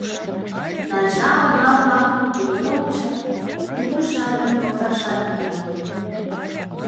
— Найжа уна-влакым туге онча, пуйто шарлен возашат ямде.